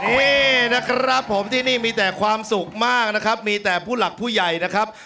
นี่นะครับผมที่นี่มีแต่ความสุขมากนะครับมีแต่ผู้หลักผู้ใหญ่นะครับ